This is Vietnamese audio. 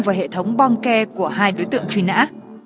vào hệ thống bom ke của hai đối tượng truy nã